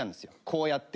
こうやって。